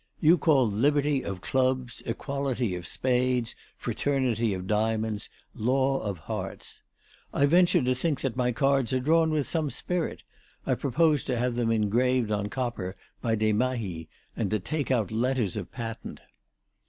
You call Liberty of clubs, Equality of spades, Fraternity of diamonds, Law of hearts. I venture to think my cards are drawn with some spirit; I propose to have them engraved on copper by Desmahis, and to take out letters of patent."